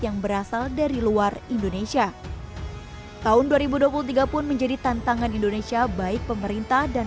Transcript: yang berasal dari luar indonesia tahun dua ribu dua puluh tiga pun menjadi tantangan indonesia baik pemerintah dan